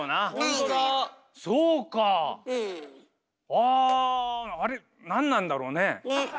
ああれなんなんだろうね？ね。